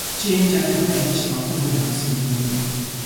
Чи энэ жаалыг хоёр алгадаж лонхтой сүүг нь хагалсан гэдэг үнэн үү?